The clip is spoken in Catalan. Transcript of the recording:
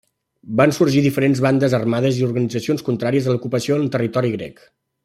Van sorgir diferents bandes armades i organitzacions contràries a l'ocupació en territori grec.